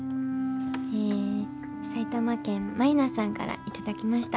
埼玉県まいなさんからいただきました。